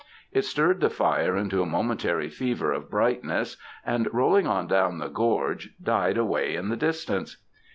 It stirred the fire into a momentary fever of brightness, and rolling on down the gorge, died away in the distance.